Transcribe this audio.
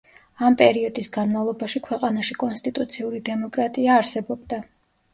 ამ პერიოდის განმავლობაში ქვეყანაში კონსტიტუციური დემოკრატია არსებობდა.